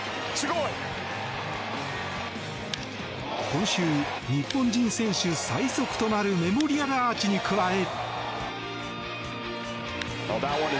今週、日本人選手最速となるメモリアルアーチに加え。